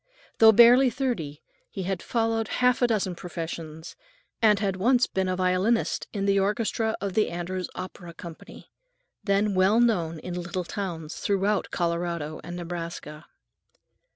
Though barely thirty, he had followed half a dozen professions, and had once been a violinist in the orchestra of the Andrews Opera Company, then well known in little towns throughout Colorado and Nebraska.